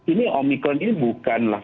ini omikron ini bukanlah